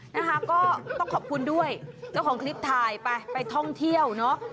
นะคะก็ต้องขอบคุณด้วยเจ้าของคลิปถ่ายไปไปท่องเที่ยวเนอะ